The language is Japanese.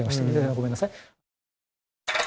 ごめんなさい。